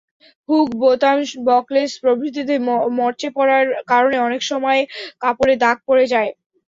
Hook, বোতাম, buckles প্রভৃতিতে মরচে পড়ার কারণে অনেক সময় কাপড়ে দাগ পড়ে যায়।